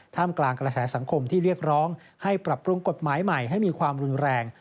กลางกระแสสังคมที่เรียกร้องให้ปรับปรุงกฎหมายใหม่ให้มีความรุนแรง